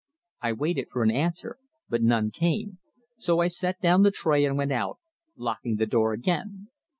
I waited for an answer, but none came, so I set down the tray and went out, locking the door again.